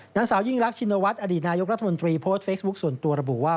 นางสาวยิ่งรักชินวัฒน์อดีตนายกรัฐมนตรีโพสต์เฟซบุ๊คส่วนตัวระบุว่า